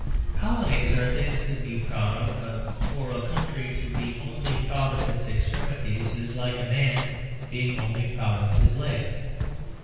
Colonies are things to be proud of, but for a country to be only proud of its extremities is like a man being only proud of his legs.